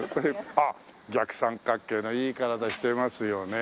あっ逆三角形のいい体してますよね。